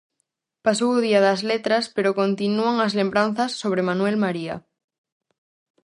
Pasou o Día das Letras pero continúan as lembranzas sobre Manuel María.